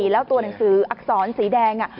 แล้วตัวหนังสืออักษรสีแดง